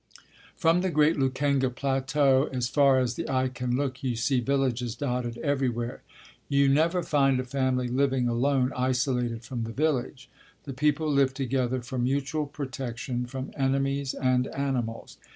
From the great Lukenga plateau as far as the eye can look you see villages dotted everywhere. You never find a family living alone isolated from the village. The people live together for mutual protection from enemies and animals.